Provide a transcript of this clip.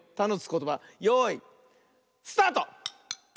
ことばよいスタート！